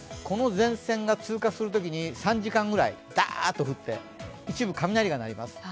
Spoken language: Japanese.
この前線が通過するときに３時間ぐらいだーっと降って、一部雷が鳴ります。